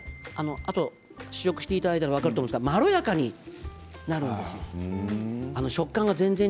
あとで試食していただいたら分かると思うんですけれどもまろやかになるんです。